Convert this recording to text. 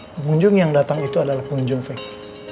pengunjung yang datang itu adalah pengunjung fake